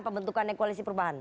pembentukan dari koalisi perubahan